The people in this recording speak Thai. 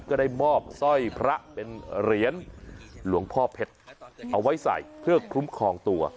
ก็ได้มอบสร้อยพระเป็นเหรียญหลวงพ่อเพชรเอาไว้ใส่เพื่อคุ้มครองตัว